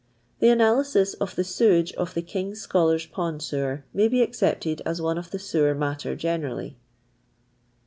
the ana lysis of the sewage of the King's Scholars' Pond Sewer may be accepted at one of sewer matter generally.